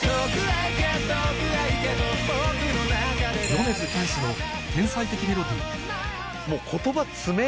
米津玄師の天才的メロディー